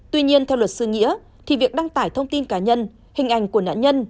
tuy nhiên theo luật sư nghĩa thì việc đăng tải thông tin cá nhân hình ảnh của nạn nhân